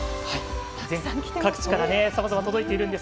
各地からさまざま、届いています。